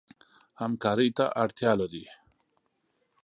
همکارۍ ته اړتیا لري.